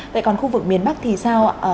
vậy còn khu vực miền bắc thì sao ạ